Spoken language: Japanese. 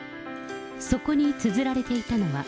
そこにつづられていたのは。